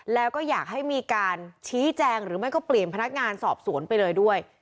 แล้วก็อยากให้มีการชี้แจงหรือไม่ก็เปลี่ยนพนักงานสอบสวนไปเลยด้วย